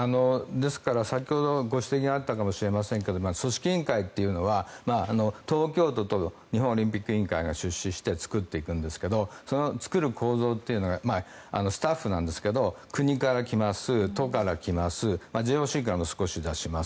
ですから先ほどご指摘があったかもしれませんが組織委員会というのは東京都と日本オリンピック委員会が出資して作っていくんですがその作る構造というのがスタッフなんですが国から来ます、都から来ますＪＯＣからも少し出します